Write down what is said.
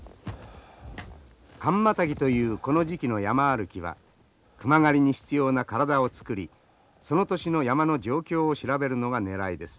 寒マタギというこの時期の山歩きは熊狩りに必要な体をつくりその年の山の状況を調べるのがねらいです。